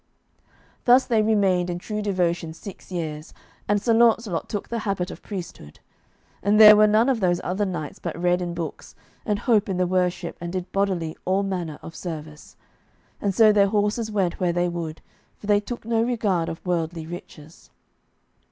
Thus they remained in true devotion six years, and Sir Launcelot took the habit of priesthood. And there were none of those other knights but read in books, and holp in the worship and did bodily all manner of service. And so their horses went where they would, for they took no regard of worldly riches.